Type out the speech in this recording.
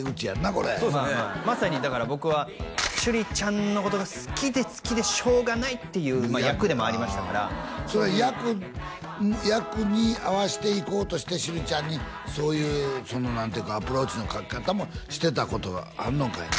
これそうっすねまあまさにだから僕は趣里ちゃんのことが好きで好きでしょうがないっていう役でもありましたからそれは役に合わしていこうとして趣里ちゃんにそういうその何ていうかアプローチのかけ方もしてたことがあんのかいな？